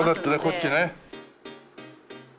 こっちね。